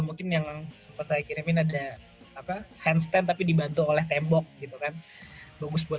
mungkin yang sempat saya kirimin ada apa hand stand tapi dibantu oleh tembok gitu kan bagus buat